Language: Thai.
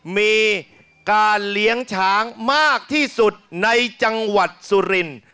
มีการเลี้ยงช้างมากที่สุดในจังหวัดสุรินทร์